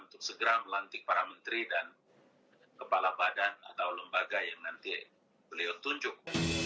untuk segera melantik para menteri dan kepala badan atau lembaga yang nanti beliau tunjuk